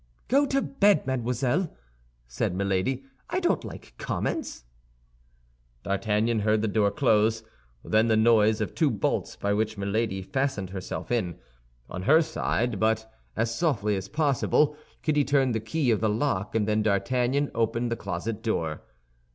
"Go to bed, mademoiselle," said Milady; "I don't like comments." D'Artagnan heard the door close; then the noise of two bolts by which Milady fastened herself in. On her side, but as softly as possible, Kitty turned the key of the lock, and then D'Artagnan opened the closet door.